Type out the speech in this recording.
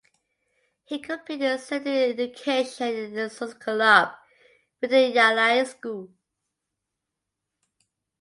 He completed his secondary education in Suankularb Wittayalai School.